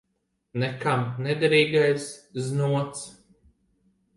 Nekam nederīgais znots.